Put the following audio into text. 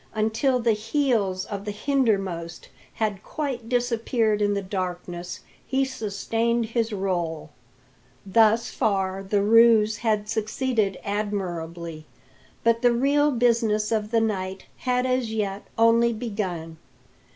Until the heels of the hindermost had quite disappeared in the darkness, he sustained his rôle. Thus far the ruse had succeeded admirably. But the real business of the night had as yet only begun.